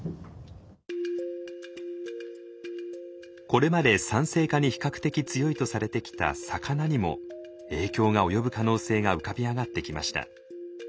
これまで酸性化に比較的強いとされてきた魚にも影響が及ぶ可能性が浮かび上がってきました。